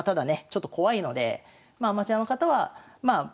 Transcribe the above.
ちょっと怖いのでアマチュアの方はもしね